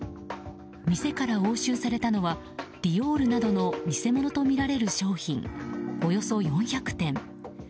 店から押収されたのはディオールなどの偽物とみられる商品およそ４００点。